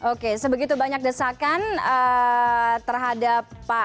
oke sebegitu banyak desakan terhadap pak edi ramayadi